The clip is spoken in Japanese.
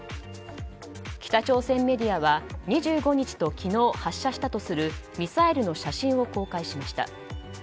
北朝鮮メディアは２５日と昨日発射したとするミサイルの写真を公開しました。